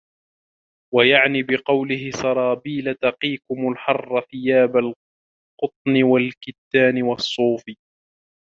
وَيَعْنِي بِقَوْلِهِ سَرَابِيلَ تَقِيكُمْ الْحَرَّ ثِيَابَ الْقُطْنِ وَالْكَتَّانِ وَالصُّوفِ